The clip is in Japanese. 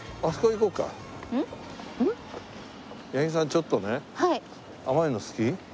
ちょっとね甘いの好き？